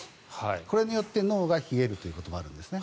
これによって脳が冷えるということもあるんですね。